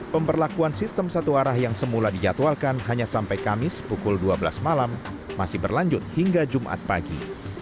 pemberlakuan sistem satu arah yang semula dijadwalkan hanya sampai kamis pukul dua belas malam masih berlanjut hingga jumat pagi